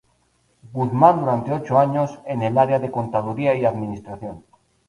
Guzmán durante ocho años, en el área de Contaduría y administración.